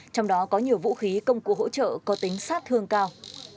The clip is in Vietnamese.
trong đó có nhiều vũ khí công cụ hỗ trợ có tính sát thương cao